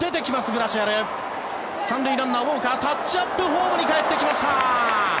３塁ランナー、ウォーカータッチアップホームにかえってきました！